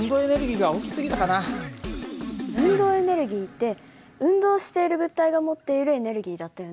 運動エネルギーって運動している物体が持っているエネルギーだったよね。